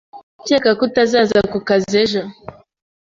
Ndakeka ko utazaza ku kazi ejo.